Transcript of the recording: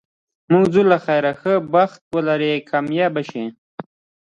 موږ ځو له خیره، ښه بخت ولرې، کامیاب شه.